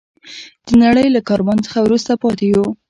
د نړۍ له کاروان څخه وروسته پاتې یو.